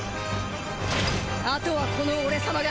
あとはこの俺様が。